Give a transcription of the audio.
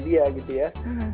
dia gitu ya